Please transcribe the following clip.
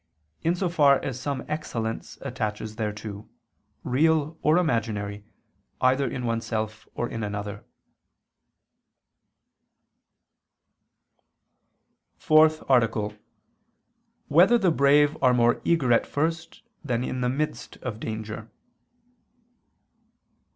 in so far as some excellence attaches thereto, real or imaginary, either in oneself or in another. ________________________ FOURTH ARTICLE [I II, Q. 45, Art. 4] Whether the Brave Are More Eager at First Than in the Midst of Danger?